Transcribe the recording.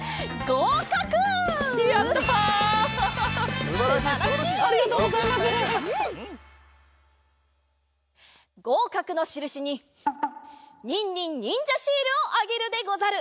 ごうかくのしるしにニンニンにんじゃシールをあげるでござる。